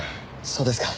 そうですか。